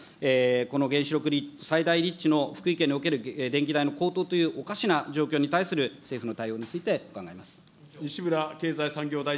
この原子力最大立地の福井県における電気代の高騰という、おかしな状況に対する政府の対応について伺います。